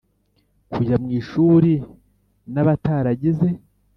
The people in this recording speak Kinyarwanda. kujya mu ishuri n abataragize